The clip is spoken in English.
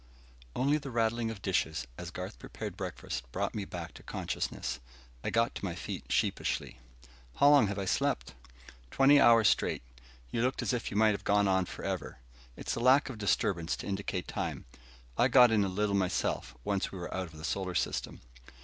Only the rattling of dishes as Garth prepared breakfast brought me back to consciousness. I got to my feet sheepishly. "How long have I slept?" "Twenty hours straight. You looked as if you might have gone on forever. It's the lack of disturbance to indicate time. I got in a little myself, once we were out of the solar system."